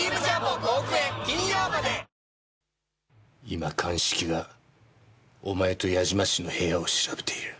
今鑑識がお前と八嶋氏の部屋を調べている。